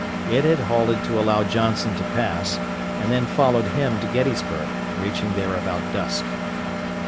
It had halted to allow Johnson to pass, and then followed him to Gettysburg, reaching there about dusk.